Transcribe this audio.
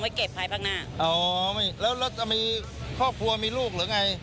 ไว้เก็บภายภาคหน้าอ๋อแล้วจะมีครอบครัวมีลูกหรือไง